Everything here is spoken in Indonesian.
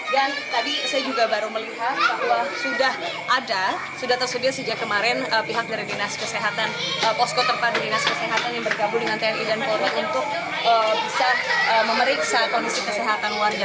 dan tadi saya juga baru melihat bahwa sudah ada sudah tersedia sejak kemarin pihak dari dinas kesehatan posko terpadu dinas kesehatan yang berkabur dengan tni dan polri untuk bisa memeriksa kondisi kesehatan warga